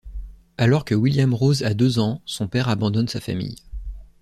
Alors que William Rose a deux ans, son père abandonne sa famille.